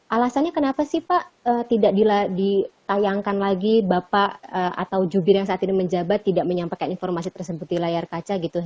alasannya kenapa sih pak tidak ditayangkan lagi bapak atau jubir yang saat ini menjabat tidak menyampaikan informasi tersebut di layar kaca gitu